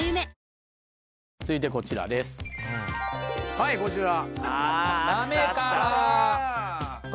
はいこちら。